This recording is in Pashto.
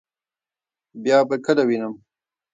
بیا به کله وینم؟